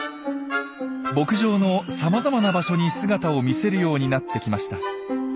牧場のさまざまな場所に姿を見せるようになってきました。